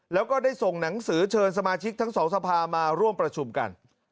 แล้วก็ได้ส่งหนังสือเชิญสมาชิกทั้งสองสภามาร่วมประชุมกัน